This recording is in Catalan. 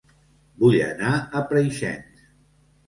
Vull anar a Preixens